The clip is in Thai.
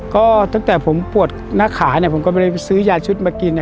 ก็ตั้งแต่ผมปวดหน้าขาเนี่ยผมก็ไม่ได้ซื้อยาชุดมากิน